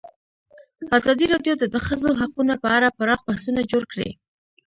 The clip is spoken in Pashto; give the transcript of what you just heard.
ازادي راډیو د د ښځو حقونه په اړه پراخ بحثونه جوړ کړي.